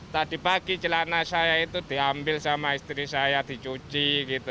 tadi pagi celana saya itu diambil sama istri saya dicuci gitu